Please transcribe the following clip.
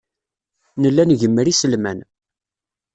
Nella ngemmer iselman.